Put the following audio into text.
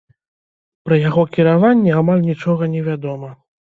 Пра яго кіраванне амаль нічога не вядома.